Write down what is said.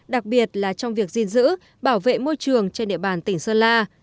đặc biệt là trong việc gìn giữ bảo vệ môi trường trên địa bàn tỉnh sơn la